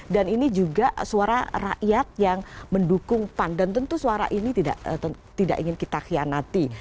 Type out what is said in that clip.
dan ini juga suara rakyat yang mendukung pan dan tentu suara ini tidak ingin kita hianati